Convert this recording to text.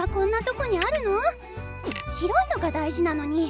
この白いのが大事なのに。